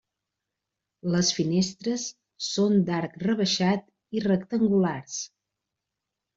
Les finestres són d'arc rebaixat i rectangulars.